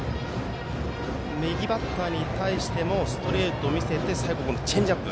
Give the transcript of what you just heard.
右バッターに対してもストレートを見せて最後、チェンジアップ。